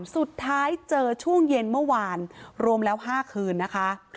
สุดท้ายเจอช่วงเย็นเมื่อวานรวมแล้ว๕คืนนะคะ